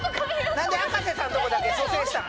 何であかせさんとこだけ蘇生したん？